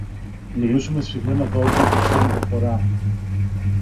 Μιλούσε με σφιγμένα δόντια και ξένη προφορά